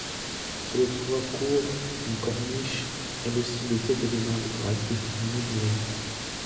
Sous le toit court une corniche elle aussi dotée d'éléments décoratifs moulurés.